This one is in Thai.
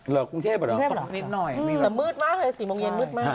รอกรุงเทพฯหรอนิดหน่อยเมื่อมืดมากเลย๔โมงเย็นมืดมาก